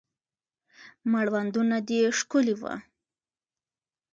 مړوندونه دې ښکلي وه